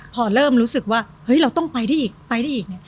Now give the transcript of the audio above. พอเริ่มรู้สึกว่าเราต้องไปได้อีกไปได้อีก